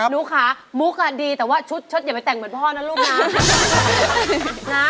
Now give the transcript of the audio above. ลูกค้ามุกดีแต่ว่าชุดเชิดอย่าไปแต่งเหมือนพ่อนะลูกนะ